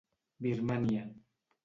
Birmània.